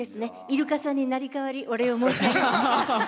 イルカさんに成り代わりお礼を申し上げます。